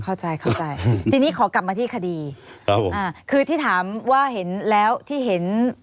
เข้าใจเข้าใจอืมทีนี้ขอกลับมาที่คดีครับผมอ่าคือที่ถามว่าเห็นแล้วที่เห็น